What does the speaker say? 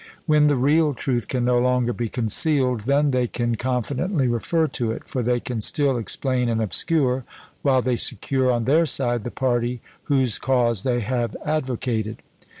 When the real truth can no longer be concealed, then they can confidently refer to it; for they can still explain and obscure, while they secure on their side the party whose cause they have advocated.